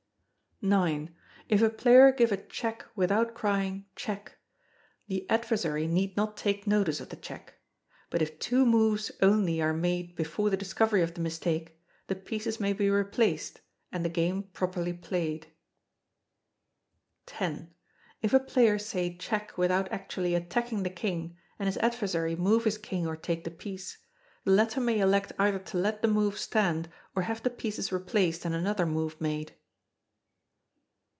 ] ix. If a player give a check without crying "check," the adversary need not take notice of the check. But if two moves only are made before the discovery of the mistake, the pieces may be replaced, and the game properly played. x. If a player say check without actually attacking the King, and his adversary move his King or take the piece, the latter may elect either to let the move stand or have the pieces replaced and another move made.